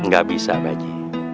gak bisa pak haji